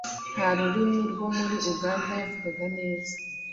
nta rurimi rwo muri Uganda yavugaga neza